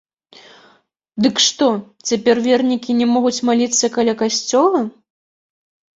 Дык што, цяпер вернікі не могуць маліцца каля касцёла?